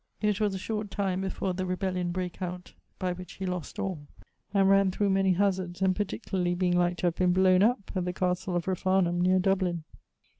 It was a short time before the rebellion brake out, by which he lost all, and ran thorough many hazards, and particularly being like to have been blow'n up at the castle of Refarnum neer Dublin.